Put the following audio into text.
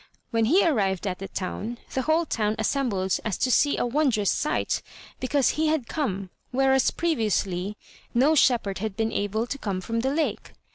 When he arrived at the town, the whole town assembled as to see a wondrous sight because he had come, whereas previously no shepherd had been able to come from the lake.